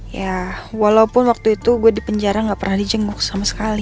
ya walaupun waktu itu gue di penjara nggak pernah di jenggok sama sekali